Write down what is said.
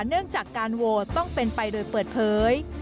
เนื่องจากการโหวตต้องเป็นไปโดยเปิดเผย